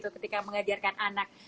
ketika mengajarkan anak